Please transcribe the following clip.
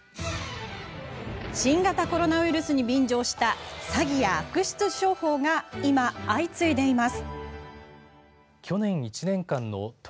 新型コロナウイルスに便乗した、詐欺や悪質商法が今、相次いでいます。